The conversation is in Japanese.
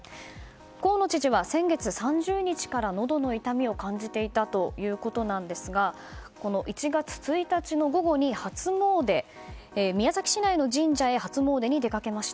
河野知事は先月３０日からのどの痛みを感じていたということなんですが１月１日の午後に宮崎市内の神社に初詣に出かけました。